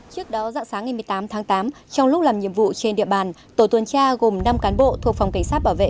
trước đó dạng sáng ngày một mươi tám tháng tám trong lúc làm nhiệm vụ trên địa bàn tổ tuần tra gồm năm cán bộ thuộc phòng cảnh sát bảo vệ